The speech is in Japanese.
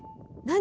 何？